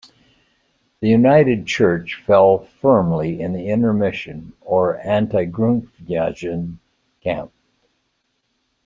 The United Church fell firmly in the Inner Mission or Anti-Grundtvigian camp.